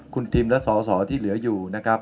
คุณทิมและสอสอที่เหลืออยู่นะครับ